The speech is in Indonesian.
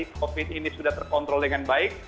covid ini sudah terkontrol dengan baik